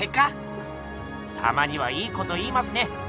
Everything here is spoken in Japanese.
たまにはいいこと言いますね。